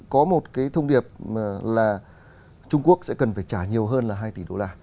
có một cái thông điệp là trung quốc sẽ cần phải trả nhiều hơn là hai tỷ đô la